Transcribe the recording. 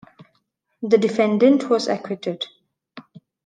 The defendant was acquitted.